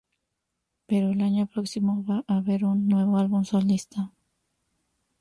Pero el año próximo va a haber un nuevo álbum solista.